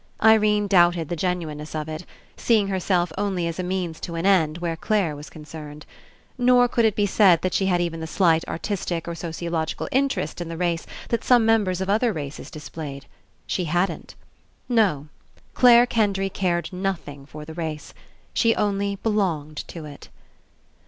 Irene doubted the genuineness of it, seeing herself only as a means to an end where Clare was concerned. Nor could it be said that she had even the slight artistic or sociological interest In the race that some members of other races displayed. She hadn't. No, Clare Kendry cared nothing for the race. She only belonged to It.